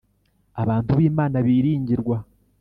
Abantu b’Imana biringirwa